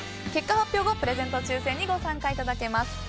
結果発表後、プレゼント抽選にご参加いただけます。